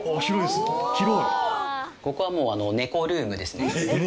ここはもう猫ルームですね。